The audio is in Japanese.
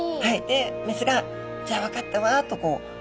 で雌が「じゃあ分かったわ」とこう。